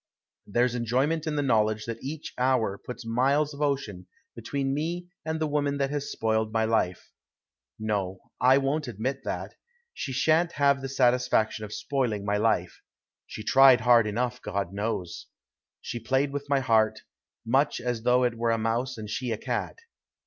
There's enjoyment in the knowledge that each hour puts miles of ocean between me and the woman that has spoiled my life. No, I won't admit that. She shan't have the satisfaction of spoiling my life. She tried hard enough, God knows. She played with my heart, much as though it were a mouse and she a cat.